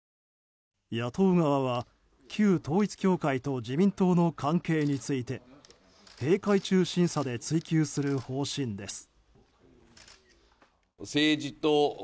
野党側は、旧統一教会と自民党の関係について閉会中審査で追及する方針です。